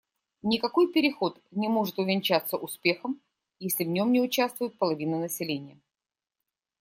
Никакой переход не может увенчаться успехом, если в нем не участвует половина населения.